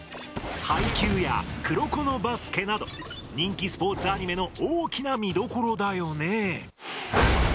「ハイキュー！！」や「黒子のバスケ」など人気スポーツアニメの大きな見どころだよね。